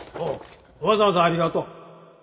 わざわざありがとう。